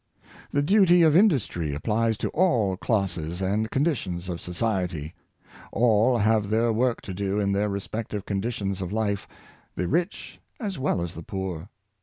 The duty of industry applies to all classes and con ditions of society. All have their work to do in their respective conditions of life — the rich as well as the poor.